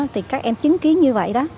thì các em chứng kiến như vậy đó